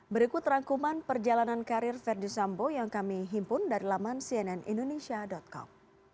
berikut rangkuman perjalanan karir verdi sambo yang kami himpun dari laman cnnindonesia com